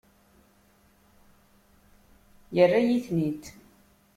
Yerra-yi-ten-id.